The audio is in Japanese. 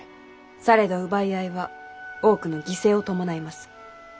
されど奪い合いは多くの犠牲を伴います。